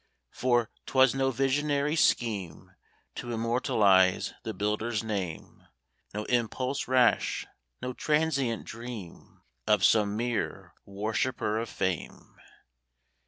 For, 'twas no visionary scheme To immortalize the builder's name; No impulse rash, no transient dream Of some mere worshipper of Fame.